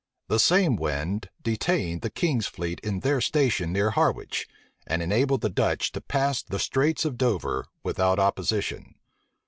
The same wind detained the king's fleet in their station near Harwich, and enabled the Dutch to pass the Straits of Dover without opposition.